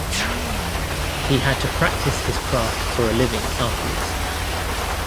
He had to practice his craft for a living afterwards.